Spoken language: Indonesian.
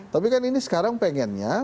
tapi kan ini sekarang pengennya